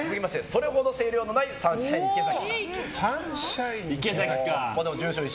それほど声量のないサンシャイン池崎。